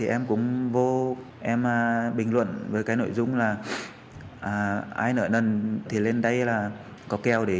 em cũng bình luận với nội dung là ai nợ nần thì lên đây là có kèo